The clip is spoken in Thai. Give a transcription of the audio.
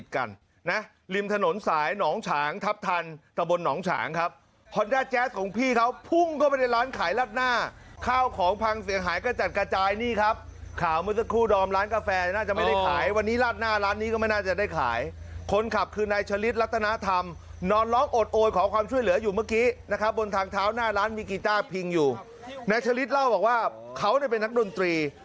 ทานีทานีทานีทานีทานีทานีทานีทานีทานีทานีทานีทานีทานีทานีทานีทานีทานีทานีทานีทานีทานีทานีทานีทานีทานีทานีทานีทานีทานีทานีทานีทานีทานีทานีทานีทานีทานีทานีทานีทานีทานีทานีทานีทานีทานีทานีทานีทานีทานีทานีทานีทานีทานีทานีทานีท